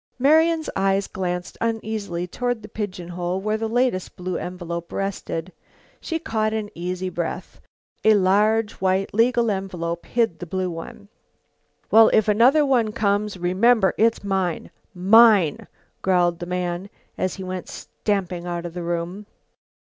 Marian's eyes glanced uneasily toward the pigeon hole where the latest blue envelope rested. She caught an easy breath. A large white legal envelope quite hid the blue one. "Well, if another one comes, remember it's mine! Mine!" growled the man, as he went stamping out of the room.